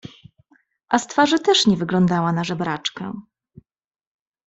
— A z twarzy też nie wyglądała na żebraczkę!